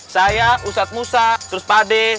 saya ustadz musa terus pade